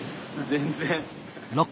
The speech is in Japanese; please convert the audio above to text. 全然。